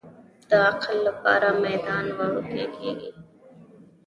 د عقل لپاره میدان وړوکی کېږي.